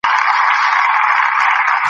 هوسۍ په پښو کې پڼې نه په کوي.